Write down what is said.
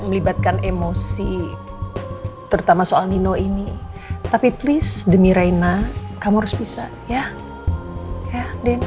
melibatkan emosi terutama soal nino ini tapi please demi raina kamu harus bisa ya den